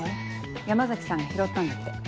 山崎さんが拾ったんだって。